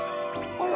あら？